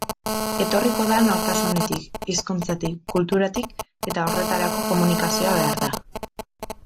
Etorriko da nortasunetik, hizkuntzatik, kulturatik, eta horretarako komunikazioa behar da.